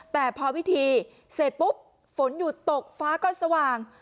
แต่พอพิธีเสร็จปุ๊บฝนหยุดตกฟ้าก็สว่าง